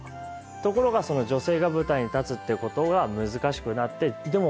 ところが女性が舞台に立つっていうことが難しくなって。